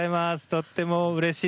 とってもうれしいです。